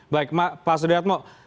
baik pak sudiratmo